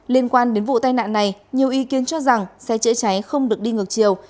liên quan đến vụ tai nạn này nhiều ý kiến cho rằng xe chữa cháy không được đi ngược chiều